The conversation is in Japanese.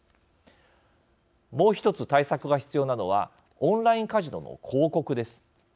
もう１つ、対策が必要なのはオンラインカジノの広告です。